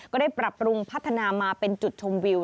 ก็ได้ปรับปรุงพัฒนามาเป็นจุดชมวิว